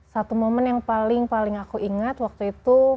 satu momen yang paling paling aku ingat waktu itu